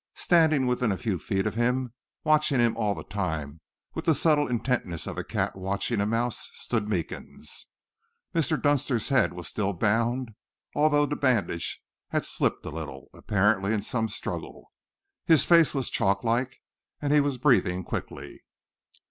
Standing within a few feet of him, watching him all the time with the subtle intentness of a cat watching a mouse, stood Meekins. Mr. Dunster's head was still bound, although the bandage had slipped a little, apparently in some struggle. His face was chalklike, and he was breathing quickly.